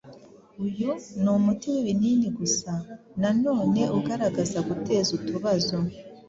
Uyu ni umuti w’ibinini gusa nanone ugaragaza guteza utubazo